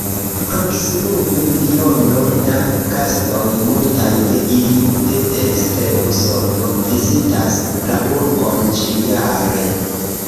Proksimume miliono da gastoj, multaj de ili de ekster Usono, vizitas la urbon ĉiujare.